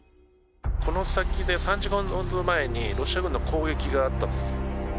この先で３時間ほど前にロシア軍の攻撃があった。